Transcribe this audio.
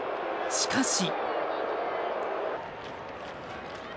しかし。